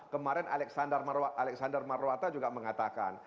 kemarin alexander marwata juga mengatakan